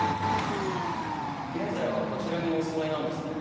現在はこちらにお住まいなんですね？